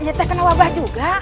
kita kena wabah juga